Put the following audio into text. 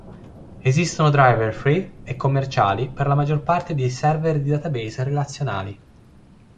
Esistono driver free e commerciali per la maggior parte dei server di database relazionali.